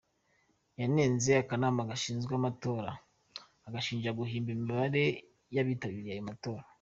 Yanenze akanama gashinzwe amatora agashinja guhimba imibare y’abitabiriye ayo matora.